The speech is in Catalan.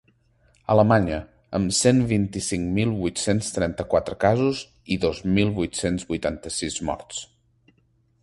Alemanya, amb cent vint-i-cinc mil vuit-cents trenta-quatre casos i dos mil vuit-cents vuitanta-sis morts.